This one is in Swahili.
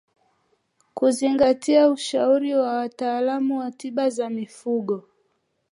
Kuzingatia ushauri wa wataalamu wa tiba za mifugo